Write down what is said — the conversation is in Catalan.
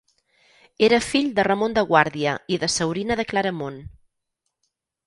Era fill de Ramon de Guàrdia i de Saurina de Claramunt.